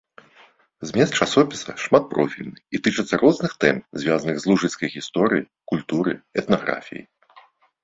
Змест часопіса шматпрофільны і тычыцца розных тэм, звязаных з лужыцкай гісторыяй, культурай, этнаграфіяй.